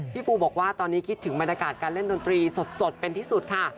ปูบอกว่าตอนนี้คิดถึงบรรยากาศการเล่นดนตรีสดเป็นที่สุดค่ะ